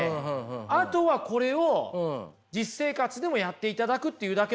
あとはこれを実生活でもやっていただくっていうだけのことですから。